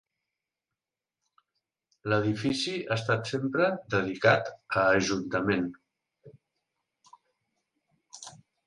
L'edifici ha estat sempre dedicat a Ajuntament.